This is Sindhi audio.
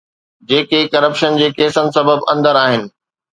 جيڪي ڪرپشن جي ڪيسن سبب اندر آهن.